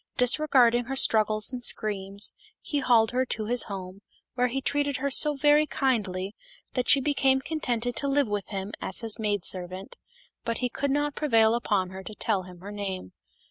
Disregarding her struggles and screams, he hauled her to his home, where he treated her so very kindly that she became contented to live with him as his maid servant ; but he could not prevail upon her to tell him her name.